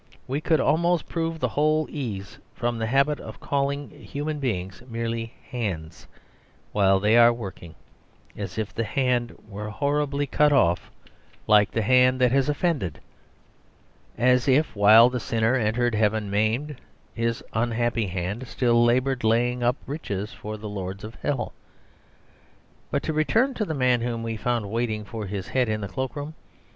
We could almost prove the whole ease from the habit of calling human beings merely "hands" while they are working; as if the hand were horribly cut off, like the hand that has offended; as if, while the sinner entered heaven maimed, his unhappy hand still laboured laying up riches for the lords of hell. But to return to the man whom we found waiting for his head in the cloak room.